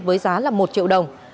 với giá là một triệu đồng